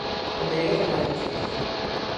Podería falarnos diso.